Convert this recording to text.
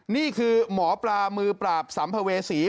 นี่คือหมอปลามือปราบสัมภเวษี